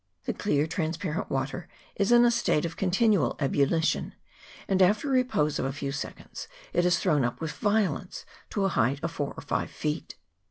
The clear, transparent water is in a state of continual ebullition, and after a repose of a few seconds it is thrown up with violence to a height of four or five feet.